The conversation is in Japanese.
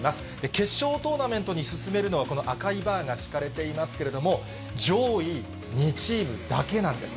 決勝トーナメントに進めるのは、この赤いバーが引かれていますけれども、上位２チームだけなんです。